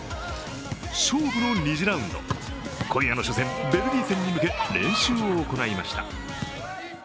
勝負の２次ラウンド、今夜の初戦、ベルギー戦へ向け練習を行いました。